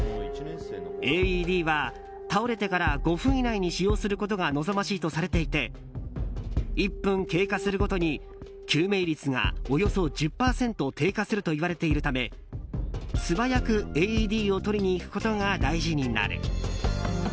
ＡＥＤは倒れてから５分以内に使用することが望ましいとされていて１分経過するごとに救命率がおよそ１０％低下するといわれているため素早くＡＥＤを取りに行くことが大事になる。